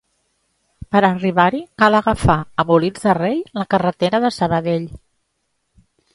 Per arribar-hi cal agafar, a Molins de Rei, la carretera de Sabadell.